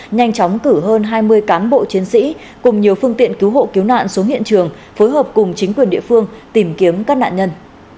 nhanh chóng cử hơn hai mươi cán bộ chiến sĩ cùng nhiều phương tiện cứu hộ cứu nạn xuống hiện trường phối hợp cùng chính quyền địa phương tìm kiếm các nạn nhân